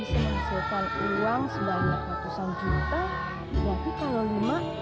kalau satu orang alman bisa menyelesaikan uang